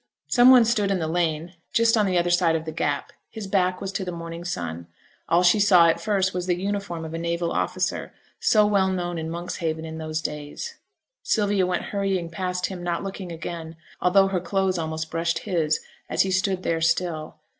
Some one stood in the lane just on the other side of the gap; his back was to the morning sun; all she saw at first was the uniform of a naval officer, so well known in Monkshaven in those days. Sylvia went hurrying past him, not looking again, although her clothes almost brushed his, as he stood there still.